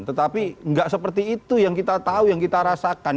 tetapi nggak seperti itu yang kita tahu yang kita rasakan